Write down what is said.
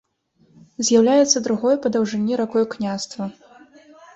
З'яўляецца другой па даўжыні ракой княства.